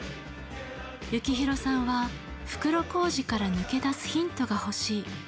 幸宏さんは「袋小路から抜け出すヒントが欲しい」と歌いました。